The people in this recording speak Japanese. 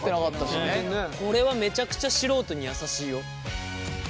これはめちゃくちゃ素人にやさしいよ。